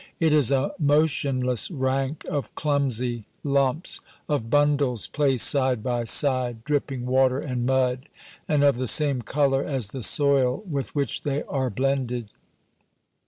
It is a motionless rank of clumsy lumps, of bundles placed side by side, dripping water and mud, and of the same color as the soil with which they are blended.